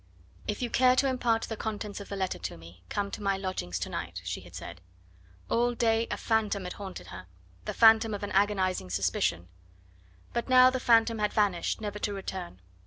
"If you care to impart the contents of the letter to me, come to my lodgings to night," she had said. All day a phantom had haunted her, the phantom of an agonising suspicion. But now the phantom had vanished never to return.